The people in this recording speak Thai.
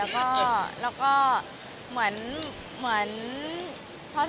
มีเพื่อนหรือแฟนเพื่อน